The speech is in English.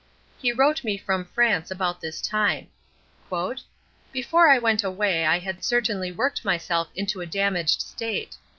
He wrote me from France about this time: "Before I went away I had certainly worked myself into a damaged state.